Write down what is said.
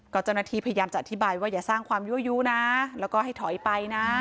ก็เจ้าหน้าที่พยายามจะอธิบายว่าอย่าสร้างความยั่วยู้นะแล้วก็ให้ถอยไปนะ